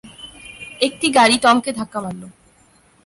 একটা গাড়ী টমকে ধাক্কা মারল।